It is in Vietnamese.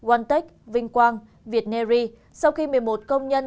one tech vinh quang vietnary sau khi một mươi một công nhân